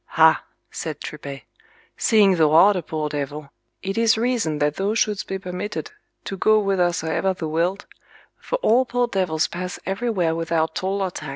Ha, said Tripet, seeing thou art a poor devil, it is reason that thou shouldst be permitted to go whithersoever thou wilt, for all poor devils pass everywhere without toll or tax.